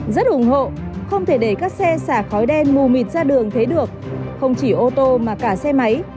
rất ủng hộ không thể để các xe xả khói đen mù mịt ra đường thế được không chỉ ô tô mà cả xe máy